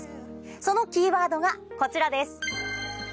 そのキーワードがこちらです。